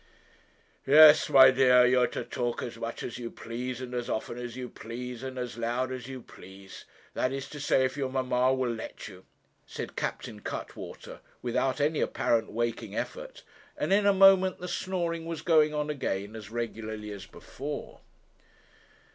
'Yes, my dear, you are to talk as much as you please, and as often as you please, and as loud as you please; that is to say, if your mamma will let you,' said Captain Cuttwater, without any apparent waking effort, and in a moment the snoring was going on again as regularly as before.